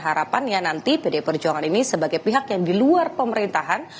harapannya nanti pdi perjuangan ini sebagai pihak yang di luar pemerintahan